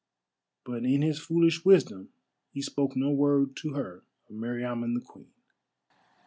But in his foolish wisdom he spoke no word to her of Meriamun the Queen.